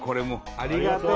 ありがとう！